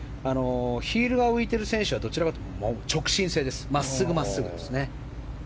ヒールが浮いている選手はどちらかというと真っすぐ真っすぐですね。